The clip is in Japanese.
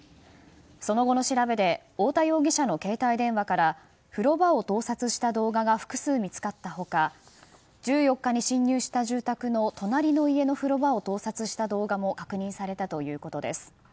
その後の調べで太田容疑者の携帯電話から風呂場を盗撮した動画が複数見つかった他１４日に侵入した住宅の隣の家の風呂場を盗撮した動画も確認されたということです。